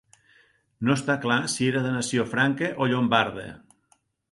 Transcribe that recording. No està clar si era de nació franca o llombarda.